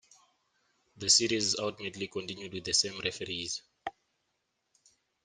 The series ultimately continued with the same referees.